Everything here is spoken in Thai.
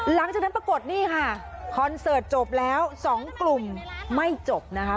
ปรากฏนี่ค่ะคอนเสิร์ตจบแล้ว๒กลุ่มไม่จบนะคะ